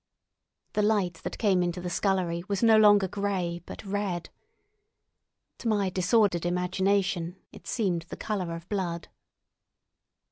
The light that came into the scullery was no longer grey, but red. To my disordered imagination it seemed the colour of blood.